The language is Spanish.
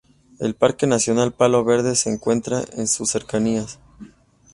El Parque Nacional Palo Verde se encuentra en sus cercanías.